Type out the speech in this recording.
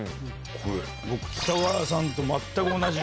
これ僕北川さんと全く同じ。